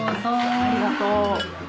ありがとう。